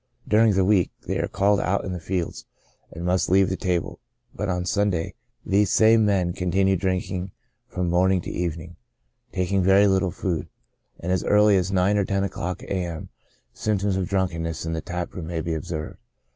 During the week, they are called out in the fields, and must leave the table ; but on Sunday these same men PREDISPOSING CAUSES. 59 continue drinking from morning to evening, taking very little food, and as early as nine or ten o'clock a.m. symptoms of drunkenness in the taproom may be observed.